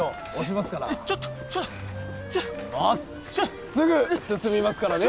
まっすぐ進みますからね！